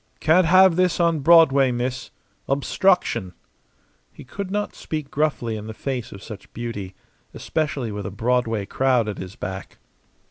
"Can't have this on Broadway, miss. Obstruction." He could not speak gruffly in the face of such beauty especially with a Broadway crowd at his back.